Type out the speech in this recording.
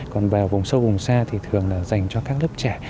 còn vào vùng sâu vùng xa thì thường là dành cho các lớp trẻ